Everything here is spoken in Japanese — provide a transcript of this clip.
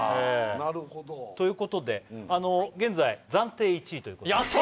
なるほど。ということで現在暫定１位ということで。